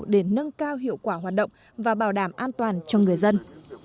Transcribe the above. để nâng cao hiệu quả hoạt động và bảo đảm an toàn cho người dân